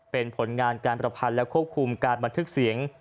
เป็นผลงานการประพันธ์และควบคุมการบันทึกเสียง